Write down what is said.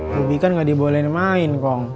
gubi kan gak dibolehin main kong